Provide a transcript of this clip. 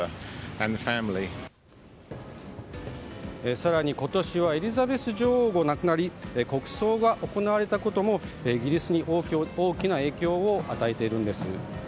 更に今年はエリザベス女王も亡くなり国葬が行われたこともイギリスに大きな影響を与えているんです。